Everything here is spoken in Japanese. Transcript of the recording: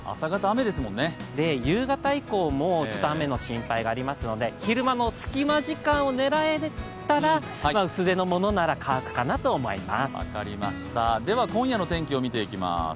夕方以降も雨の心配がありますので昼間の隙間時間を狙えたら、薄手のものなら乾くかなと思います。